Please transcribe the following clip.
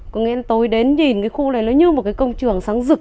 có nghĩa là tối đến nhìn cái khu này nó như một cái công trường sáng giựt